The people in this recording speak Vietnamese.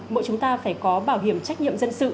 mỗi chúng ta phải có bảo hiểm trách nhiệm dân sự